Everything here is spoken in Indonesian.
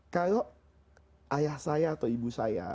kalau ayah saya atau ibu saya